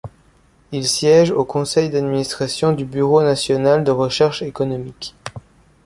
Il siège au conseil d'administration du Bureau national de recherche économique.